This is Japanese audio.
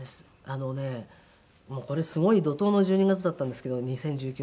あのねもうこれすごい怒濤の１２月だったんですけど２０１９年。